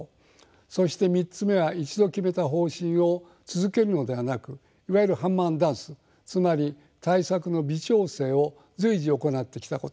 そして３つ目は一度決めた方針を続けるのではなくいわゆるハンマー＆ダンスつまり対策の微調整を随時行ってきたこと。